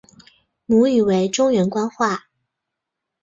母语为中原官话。